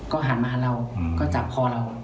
ก็หันมาเราก็จับคอเรา